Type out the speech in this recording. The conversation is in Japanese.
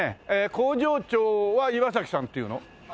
工場長はイワサキさんっていうの？